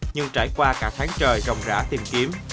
nhưng trải qua cả tháng trời ròng rã tìm kiếm